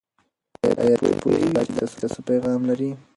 آیا ته پوهېږې چې دا کیسه څه پیغام لري؟